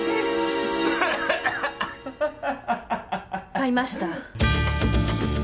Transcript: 買いました。